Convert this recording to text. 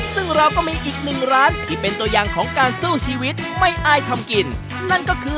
ซึ่งเราก็มีอีกหนึ่งร้านที่เป็นตัวอย่างของการสู้ชีวิตไม่อายทำกินนั่นก็คือ